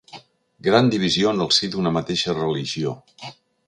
Gran divisió en el si d'una mateixa religió.